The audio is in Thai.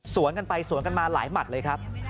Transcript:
กันไปสวนกันมาหลายหมัดเลยครับ